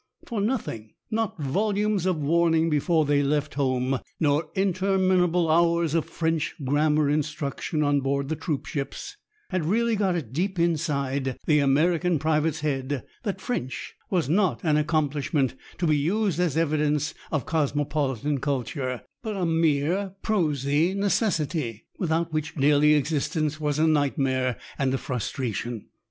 For nothing, not volumes of warning before they left home, nor interminable hours of French grammar instruction on board the troop ships, had really got it deep inside the American private's head that French was not an accomplishment to be used as evidence of cosmopolitan culture, but a mere prosy necessity, without which daily existence was a nightmare and a frustration.